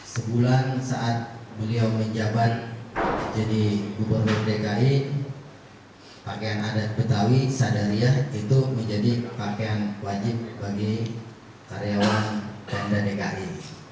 sebulan saat beliau menjabat jadi gubernur dki pakaian adat betawi sadaria itu menjadi pakaian wajib bagi karyawan pemda dki